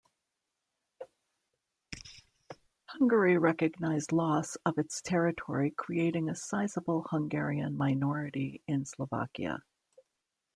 Hungary recognized loss of its territory creating a sizable Hungarian minority in Slovakia.